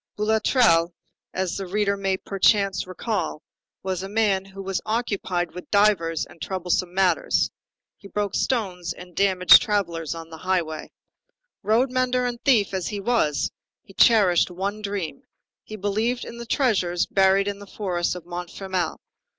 Boulatruelle, as the reader may, perchance, recall, was a man who was occupied with divers and troublesome matters. He broke stones and damaged travellers on the highway. Road mender and thief as he was, he cherished one dream; he believed in the treasures buried in the forest of Montfermeil.